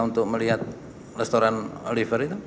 untuk melihat restoran oliver itu